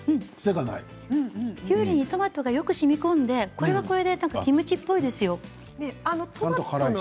きゅうりにトマトがよくしみこんでこれはこれでキムチっぽいですよ。